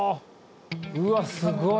うわっすごい。